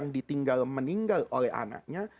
ditinggal meninggal oleh anaknya